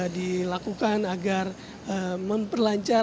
dilakukan agar memperlancar